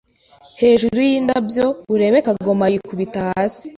hejuru yindabyo urebe kagoma Yikubita hasi